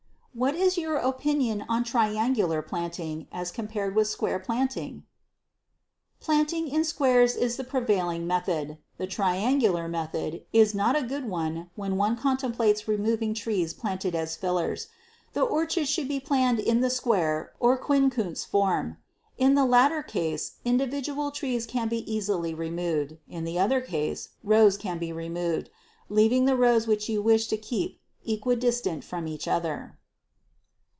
What is your opinion on triangular planting as compared with square planting? Planting in squares is the prevailing method. The triangular plan is not a good one when one contemplates removing trees planted as fillers. The orchard should either be planned in the square or quincunx form. In the latter case individual trees can be easily removed; in the other case rows can be removed leaving the rows which you wish to keep equidistant from each other.